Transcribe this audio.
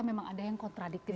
memang ada yang kontradiktif